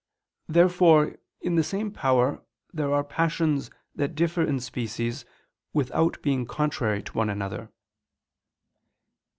Therefore in the same power there are passions that differ in species without being contrary to one another.